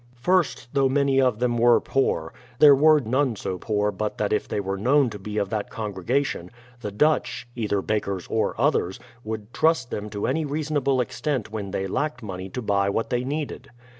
First, though many of them were poor, there were none so poor but that if they were known to be of that congre gation, the Dutch (either bakers or others) would trust them to any reasonable extent when they lacked money to buy what they needed.